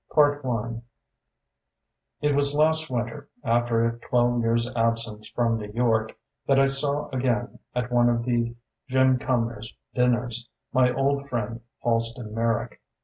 _ I It was last winter, after a twelve years' absence from New York, that I saw again, at one of the Jim Cumnors' dinners, my old friend Halston Merrick.